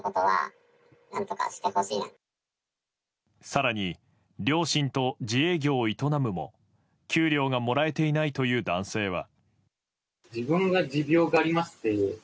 更に両親と自営業を営むも給料がもらえていないという男性は。